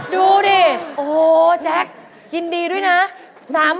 ดูดิโอ้โหแจ๊คยินดีด้วยนะ